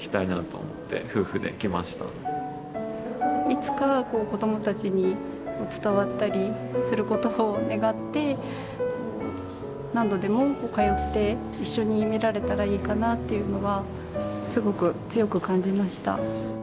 いつか子どもたちに伝わったりすることを願って何度でも通って一緒に見られたらいいかなっていうのはすごく強く感じました。